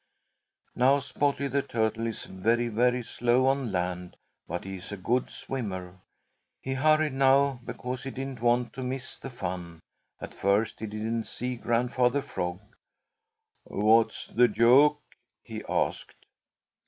Now Spotty the Turtle is very, very slow on land, but he is a good swimmer. He hurried now because he didn't want to miss the fun. At first he didn't see Grandfather Frog. "What's the joke?" he asked.